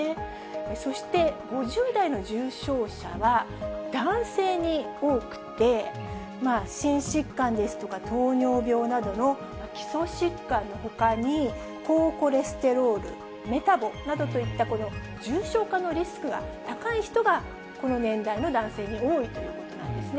そして、５０代の重症者は男性に多くて、心疾患ですとか糖尿病などの基礎疾患のほかに、高コレステロール、メタボなどといった、重症化のリスクが高い人が、この年代の男性に多いということなんですね。